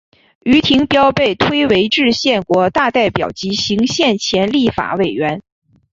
丁廷标被推为制宪国大代表及行宪前立法委员。